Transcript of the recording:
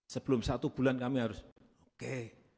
sebelum satu bulan kami harus oke